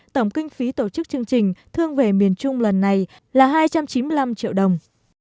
tổng kinh phí tổ chức chương trình thương về miền trung lần này là hai trăm chín mươi năm triệu đồng